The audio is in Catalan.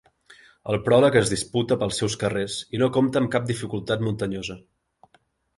El pròleg es disputa pels seus carrers i no compta amb cap dificultat muntanyosa.